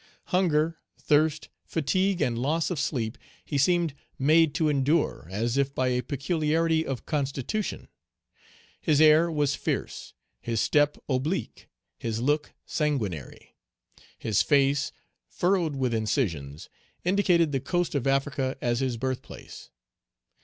Hunger, thirst, fatigue, and loss of sleep he seemed made to endure as if by a peculiarity of constitution. His air was fierce, his step oblique, his look sanguinary. His face, furrowed with incisions, indicated the coast of Africa as his birthplace.